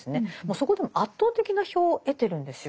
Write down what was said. そこでも圧倒的な票を得てるんですよ。